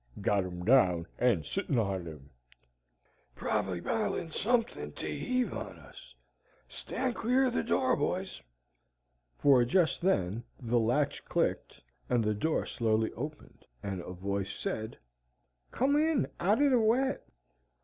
"Got him down and sittin' on him." "Prob'ly bilin suthin to heave on us: stand clear the door, boys!" For just then the latch clicked, the door slowly opened, and a voice said, "Come in out o' the wet."